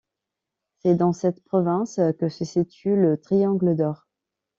C’est dans cette province que se situe le Triangle d‘or.